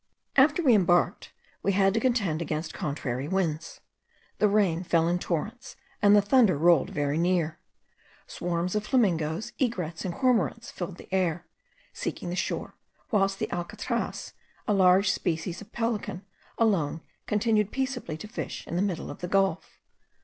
After we embarked we had to contend against contrary winds. The rain fell in torrents, and the thunder rolled very near. Swarms of flamingoes, egrets, and cormorants filled the air, seeking the shore, whilst the alcatras, a large species of pelican, alone continued peaceably to fish in the middle of the gulf.